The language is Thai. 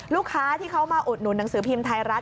ลูกค้าที่เขามาอุดหนุนหนังสือพิมพ์ไทยรัฐ